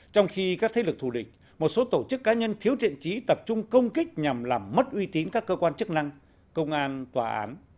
trong khi các thế lực thù địch một số tổ chức cá nhân thiếu thiện trí tập trung công kích nhằm làm mất uy tín các cơ quan chức năng công an tòa án